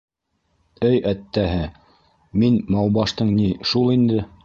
— Әй әттәһе, мин маубаштың ни, шул инде.